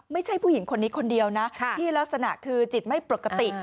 ผู้หญิงคนนี้คนเดียวนะที่ลักษณะคือจิตไม่ปกติ